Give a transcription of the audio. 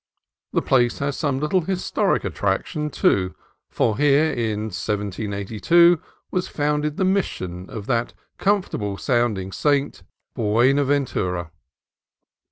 The place has some little historic attraction, too, for here in 1782 was founded the Mission of that comfortable sounding saint, Buenaventura.